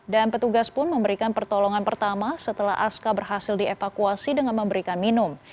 dan petugas pun memberikan pertolongan pertama setelah aska berhasil dievakuasi dengan memberikan minum